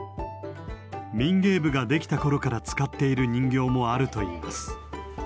民芸部ができた頃から使っている人形もあるといいます。